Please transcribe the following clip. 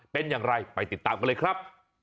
เป็นอย่างไรไปติดตามกันเลยครับ